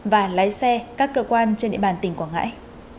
và lái xe các cơ quan trên địa bàn tỉnh quảng ngãi